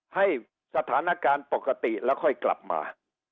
ให้สถานการณ์ปกติแล้วค่อยกลับมา